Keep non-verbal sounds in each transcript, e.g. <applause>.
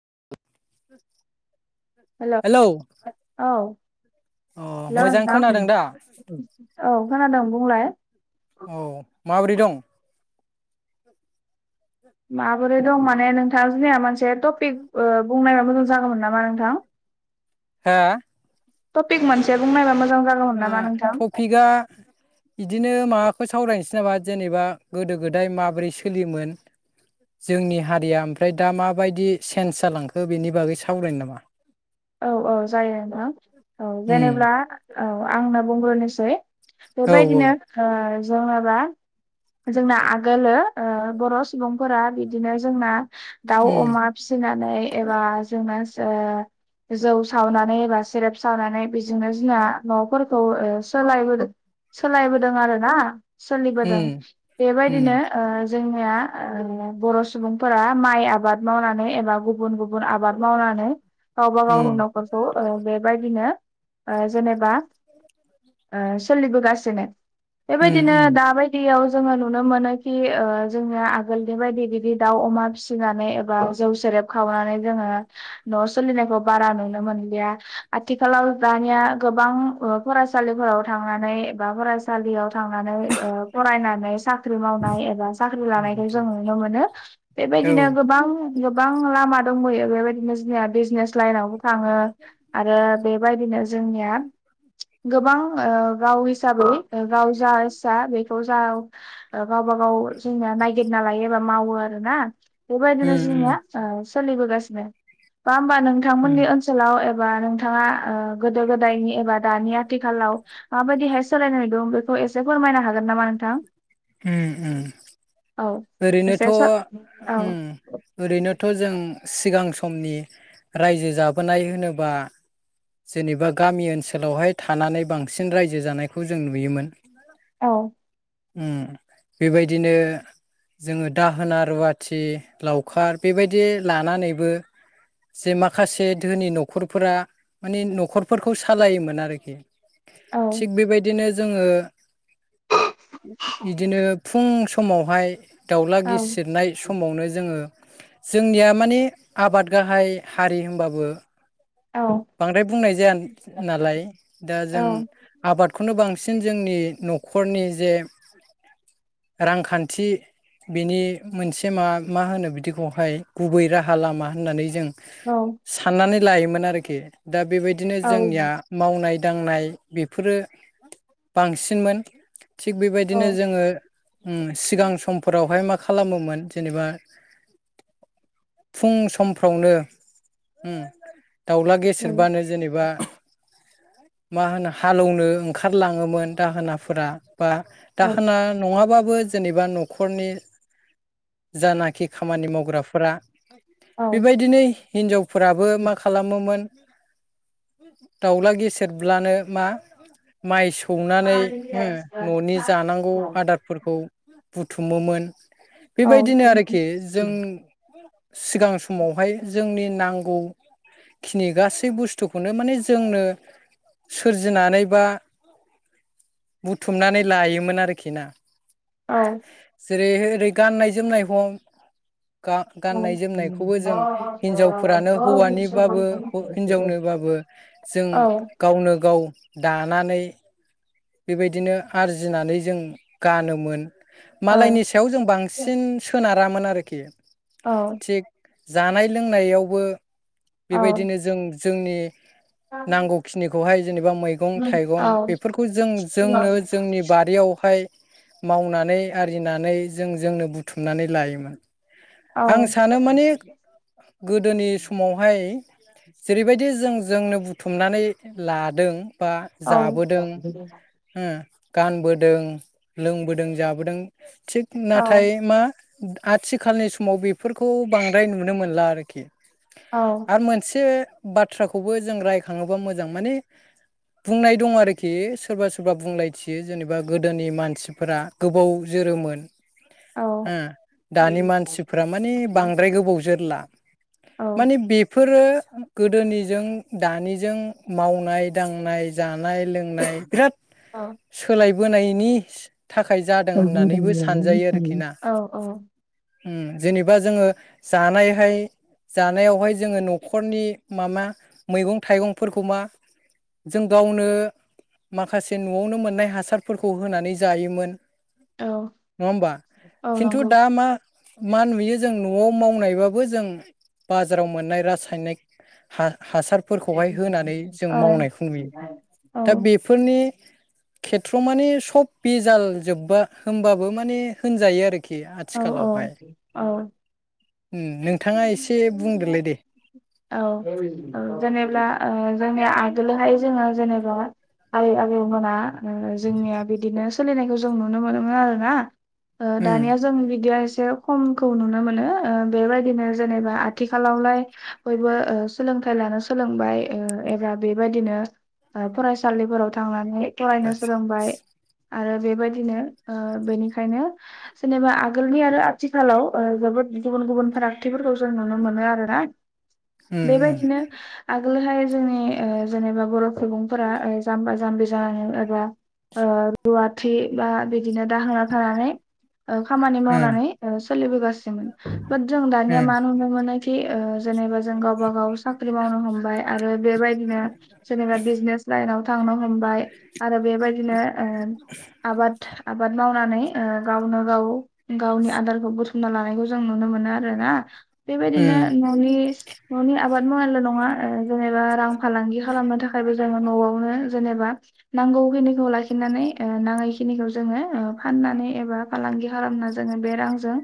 <unintelligible> हेल' औ हेलौ अ हेल' मोजां नोंथां खोनादों दा औ खोनादों बुंलाय औ माबोरै दं माबोरै दं माने नोंथाङा जोंनिया मोनसे टपिक बुंनायबा मोजां जागौमोन नामा नोंथां हा टपिक मोनसे बुंनायबा मोज ओ टपिकआ बिदिनो माबाखौ सावरायनोसै बा जेनेबा गोदो गोदाय माबोरै सोलियोमोन जोंनि हारिया ओमफ्राय दा माबायदि चेन्स जालांखो बेनि बागै सावरायनो नामा औ औ जायो नोंथां औ उम जेनेब्ला औ आंनो बुंग्रोनिसै औ औ बेबायदिनो ओ जेनेबा जोंना आगोलो ओ बर' सुबुंफोरा बिदिनो जोंना दाउ उम अमा फिसिनानै एबा जोंनास ओ जौ सावनानै एबा सेरेप सावनानै बेजोंनो जोंना न'फोरखौ सोलायबोदों सोलायबोदों आरो ना सोलिबोदों उम उम बेबायदिनो ओ जोंनिया ओ बर' सुबुंफोरा माइ आबाद मावनानै एबा गुबुन गुबुन आबाद मावना नै गावबा उम गावनि न'खरखौ ओ बेबायदिनो ओ जेनेबा <inaudible> ओ सोलिबोगासिनो उम बेबायदिनो उम दा औ बायदियाव जोङो नुनो मोनोखि ओ जोंङिया आगोलनि बायदि बिदि दाउ अमा फिसिनानै एबा जौ से रेब खावनानै जोङो नस सोलिनायखौ बारा नुनो मोनलिया आथिखालाव दानिया गोबां ओ फरायसालिफोराव थां नानेै एबा फरायसालियाव थांनानै ओ फरायनानै साख्रि मावनाय एबा साख्रि उम लानायखौ जों नुनो मोनो बेबाय दिनो गोबां गोबां लामा दंबयो बेबायदिनो जोंनिया बिजनेस लाइनावबो थाङो आरो बेबायदिनो जोंनिया गोबां ओ गाव हिसाबै गाव जा इस्सा बेखौ जा गावबा गाव जोंनिया नायागिरना लायो एबा मावो आरो ना बेबायदिनो उम जोंनिया सोलिबोगासिनो बा होमबा उम नोंथांमोननि ओनसोलाव एबा नोंथाङा ओ गोदो गोदायनि एबा दानि आथिखालाव माबायदिहाय सोलायनाय दं बेखौ एसे फोरमायनो हागोन नामा नोंथां? ओम - ओम औ ओरैनोथ' एसे स औ ओरैनो थ' जों सिगां समनि रायजो जाबोनाय होनोबा जेनेबा गामि ओनसोलावहाय थानानै बांसिन रायजो जानायखौ जों नुयोमोन। औ उम बेबायदिनो जोङो दाहोना रुवाथि लावखार बेबायदि लानानैबो जे माखासे धोनि नखरफोरा माने नखरफोरखौ सालायोमोन आरोखि। औ थिग बेबायदिनो जोङो बिदिनो फुं समावहाय दाउला औ गिसिरनाय समावनो जोङो जोंनिया माने आबाद गाहाय हारि होमबाबो औ बांद्राय बुंनाय जाया नालाय दा औ जों आबाद खौनो बांसिन जोंनि नखरनि जे रांखान्थि बेनि मोनसे मा मा होनो बिदिखौहाय गुबै राहा लामा होननानै जों औ साननानै लायोमोन आरोखि दा बेबायदिनो जोंनिया मावनाय दांनाय बेफोरो बांसिनमोन थिग औ बेबायदिनो जोङो उम सिगां समफोरावहाय मा खालामोमोन जेनेबा फुं समफ्रावनो दाउला गेसेेरबानो जेनेबा मा होनो हालोवनो ओंखारलाङोमोन दाहोनाफोरा बा दाहोना नङाबाबो जो जेनेबा नखरनि जानाखि खामानि मावग्राफोरा बेबायदिनो हिनजावफोराबो माखासे मोमोन दावला गेसेरब्लानो मा माय सौवो सौनानै ननि औ जानांगौ औ। आदारफोरखौ बुथुमोमोन। औ बेबायदिनो आरोखि जों सिगां समावहाय जोंनि नांगौ। खिनि गासै बुस्थुखौनो माने जोंनो सोरजिनानै बा बुथुमनानै लायोमोन आरोखि ना। जेरै ओरै गाननाय जोमनायखौ। गा गाननाय जोमनायखौबो जों हिनजावफोरानो हौवानि बाबो हिनजावनोबाबो जों गावनो गाव दानानै बेबायदिनो आरजिनानै जों गानोमोन। मालायनि सायाव जों बांसिन सोनारामोन आरोखि। औ थिग जानाय लोंनायावबो औ बेबायदिनो जों जोंनि नांगौखिनिखौहाय जेनेबा मैगं नंगौ औ थाइगं औ बेफोरखौ जों जोंनो जोंनि बारियाव खौहाय मावनानै आरिनानै जों जोंनो बुथुमनानै लायोमोन। आं सानो माने गोदोनि समावहाय जेरैबायदि जों जोंनो बुथुमनानै लादों। बा जाबोदों ओ। गानबोदों लोंबोदों जाबोदों थिग नाथाय मा आथिखालनि समाव बेफोरखौ बांद्राय नुनो मोनला आरोखि। आरो मोनसे बाथ्राखौबो जों रायखाङोबा मोजां माने बुंनाय दं आरोखि सोरबा सोरबा बुंलायथियो जेनेबा गोदोनि मानसिफोरा गोबाव जोरोमोन हो दानि मानसिफोरा माने बांद्राय गोबाव जोरला माने बेफोरो गोदोनिजों दानिजों मावनाय दांनाय जानाय लोंनाय बिराद सोलायबोनायनि थाखाय जादों होननानैबो सानजायो आरोखि ना ह्म जेनेबा जोङो जानायहाय जानायावहाय जोङो न'खरनि मामा मैगं थायगंफोरखौ मा जों गावनो माखासे न'आवनो मोननाय हासारफोरखौ होनानै जायोमोन। नङा होमबा खिन्तु दा मा मा नुयो जों न'आव मावनायबाबो जों बाजाराव मोननाय रासायनेक हा हासारफोरखौहाय होनानै जों मावनायखौ नुयो दा बेफोरनि खेथ्र'आव माने सब बेजाल जोब्बा होमबाबो माने होनजायो आरो। औ औ औ। औ उम नोंथाङा एसे बुंदोलाय दे औ जेनेब्ला ओ जोंनि आगोलोहाय जोङो जेनेबा आबै आबौमोना ओ जोंनिया बिदिनो सोलिनायखौ जों नुनो मोनोमोन आरोना। ओ उम दानिया जों बिदिया एसे खमखौ नुनो मोनो ओ बेबायदिनो जेनेबा आथिखालावलाय बयबो ओ सोलोंथाय लानो सोलोंबाय ओ एबा बेबायदिनो ओ फरायसालिफोराव थांनानै उम फरायनो सोलोंबाय आरो बेबायदिनो ओ बेनिखायनो जेनेबा आगोलनि आरो आथिखालाव ओ जोबोद गुबुन गुबुन फारागथिफोरखौ जों नुनो मोनो आरोना। बेबायदिना आग गोलहाय जोंनि ओ जेनेबा बर' सुबुंफोरा जामबा जामबि जानानै एबा ओ रुवाथि बा बिदिनो दाहोना थानानै औ खामानि मावनानै ओ सोलिबोगासिनोमोन बत जों दानिया मा नुनो मोन्नायखि ओ जेनेबा जों गावबा गाव साख्रि मावनो हमबाय आरो बेबायदिनो जेनेबा बिजनेस लायनाव थां नो हमबाय आरो बेबायदिनो ओं आबाद आबाद मावनानै ओ गावनो गाव गावनि आदारखौ बुथुमना लानायखौ जों नुनो मोनो आरो ना। बेबायदिनो न'नि न'नि आबाद मावनायल' नङा ओ जेनेबा रां फालांगि खालामनो थाखाय रुजागोन न'आवनो। जेनेबा नांगौखिनिखौ लाखिनानै ओ नाङैखिनिखौ जोङो ओ फाननानै एबा फालांगि खालामना जोङो बे रांजों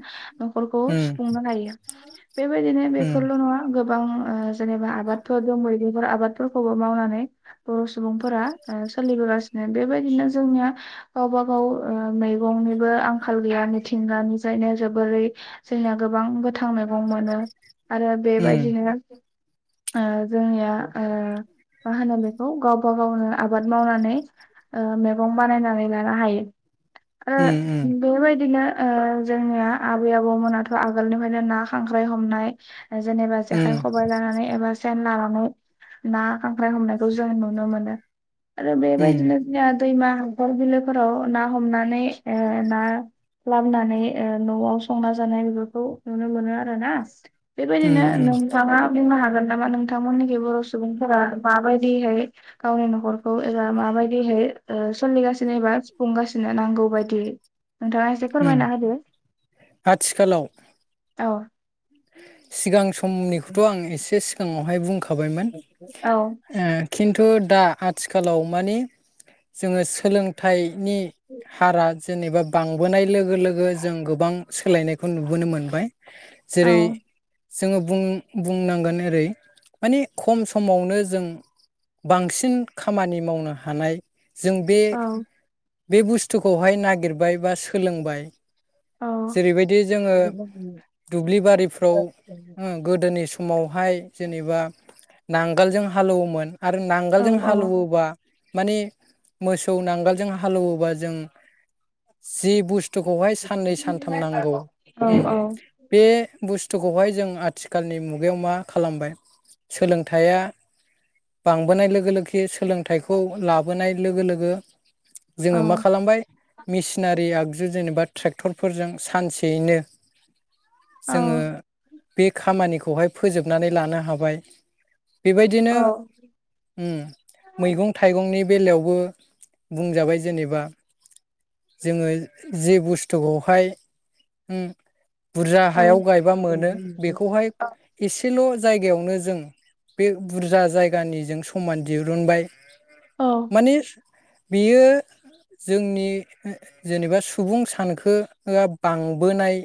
न'खरखौ उम सुफुंनो हायो बेबायदिनो बेफोरल' नङा गोबां ओ जेनेबा आबादफोर दंबायो। बेफोर आबादफोरखौबो मावनानै बर' सुबुंफोरा ओ सोलिबोगासिनो बेबायदिनो जोंनिया गावबागाव ओ मैगौं बो आंखाल गैया मिथिंगानिफ्रायनो जोबोरै जोंनिया गोबां गोथां मैगं मोनो। आरो उम बेबायदिनो ओ जोंनिया ओ मा होनो बेखौ गावबागावनो आबाद मावनानै ओ मैगं बानायनानै लानो हायो। आरो उम उम। बेबायदिनो ओ जोंनिया आबै आबौमोनाथ' आगोलनिफ्रायनो ना खांख्राय हमनाय जेनेबा जेखाय खबाय लानानै एबा सेन लानानै ना खांख्राय हमनायखौ जों नुनो मोनो। आरो बेबायदिनो जोंहा दैमा हाखर बिलोफोराव ना हमनानै ओ ना लाबोनानै ओ न'आव संना जानाय बेफोरखौ नुनो मोनो आरोना। उम बेबायदिनो उम नोंथाङा बुंनो हाग गोन नामा नोंथांमोननिखै बर' सुबुंफोरा माबायदिहाय गावनि न'खरखौ एबा माबायदिाय हाय ओ सोलिगासिनो एबा सुफुंगासिनो नांगौ बायदियै। नोंथाङा एसे उम फोरमायना होदो आथिखालाव औ। सिगां समनिखौथ' आं एसे सिगाङावहाय बुंखाबायमोन औ ओ खिन तु दा आथिखालाव माने जोङो सोलोंथायनि हारा जेनेबा बांबोनाय लोगो लोगो जों गोबां सोलायनायखौ नुबोनो मोनबाय। औ जेरै जोङो बुं बुंनांगोन ओरै माने खम समावनो जों बांसिन खामानि मावनो हानाय। जों बे औ बे बुस्थुखौहाय नागिरबाय बा सोलोंबाय। औ जेरै बायदि जोङो दुब्लि बारिफ्राव गोदोनि सम समावहाय जेनेबा नांगोलजों हालौवोमोन। आरो नांगोलजों औ हालौवोबा। माने मोसौ नांगोलजों हालेवोबा जों जि बुस्थु सानै सानथाम नांगौ औ औ बे बुस्थुखौहाय जों आथि आथिखालनि मुगायाव मा खालामबाय सोलोंथाइया। बांबोनाय लोगो लोगो सोलोंथाइखौ लाबोनाय लोगो लोगो। औ जोङो मा खालामबाय मेसिनारि आगजु जेनेबा ट्रेक्टर फोरजों सानसेयैनो जोङो। बे खामानिखौहाय फोजोबनानै लानो हाबाय। बेबायदिनो मैगं थाइगंनि बेलायावबो बुंजाबाय जेनेबा जोङो जे बुस्थुखौ हाय। बुरजा औ हायाव गायबा मोनो बेखौहाय एसेल'। जायगायावनो जों बे बुरजा जायगानिजों समान दिहुनबाय। औ माने। बेयो जोंनि जेनेबा सुबुं सानखो। बांबोनाय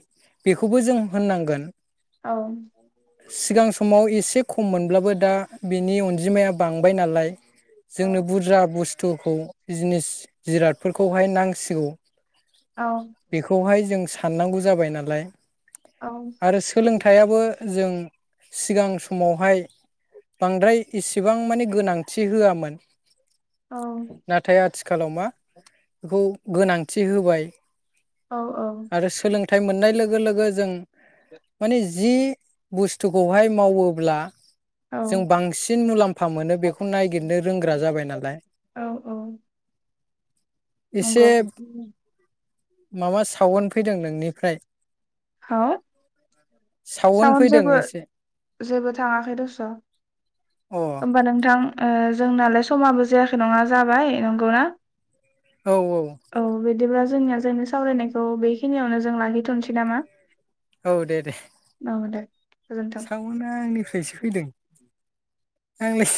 बेखौबो जों होननांगोन। औ। सिगां समाव एसे खम मोनब्लाबो दा बिनि अनजिमाया बांबाय नालाय। औ जोंनो बुरजा बुस्थुखौ बिजनेस जिरादफोरखौहाय नांसिगौ। औ। बेखौहाय जों साननांगौ जाबाय नालाय। औ आरो सोलोंथाइआबो जों सिगां समावहाय बांद्राय इसेबां माने गोनांथि होआमोन। नाथाय आथिखालाव। आथिखालाव मा बेखौ गोनांथि होबाय। औ औ। फिथाइ मोननाय लोगो लोगो जों माने। जि बुस्थुखौहाय मावोब्ला। जों औ बांसिन मुलाम्फा मोनो बेखौ नागिरनो रोंग्रा जाबाय नालाय। औ औ। एसे नोंगौ। माबा सावोन फैदों नोंनिफ्राय। सावन फैदों जेबो एसे जेबो थाङाखै दस' अ औ होनबा नोंथां। जोंनालाय समाबो जायाखै नङा जाबाय नंगौना। औ औ। जोंनिया जोंनि सावरायनायखौ बेखिनियावनो जों लाहिथ'नोसै नामा। औ दे दे। औ दे गोजोन्थों सावना आंनिफ्रायसो फैदों आंलाय। सो